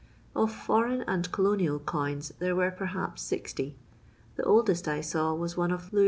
Of foreign and colonial coins there were perhaps 60. The oldest I saw was one of Louis XV.